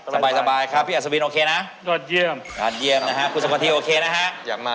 สนุกดีนะฮะพี่อัตซาวินเป็นอย่างไรสบายครับสบาย